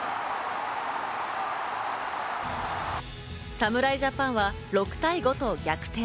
侍ジャパンは６対５と逆転。